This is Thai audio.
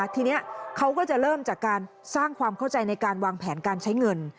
ทีนี้เขาก็จะเริ่มจากการสร้างความเข้าใจในการวางแผนการใช้เงิน